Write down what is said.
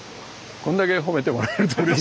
こんだけ褒めてもらえるとうれしいです。